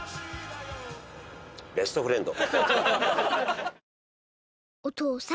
ベストフレンド。